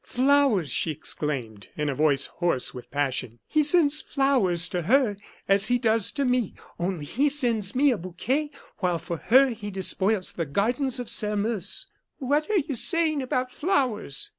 "Flowers!" she exclaimed, in a voice hoarse with passion. "He sends flowers to her as he does to me only he sends me a bouquet, while for her he despoils the gardens of Sairmeuse." "What are you saying about flowers?"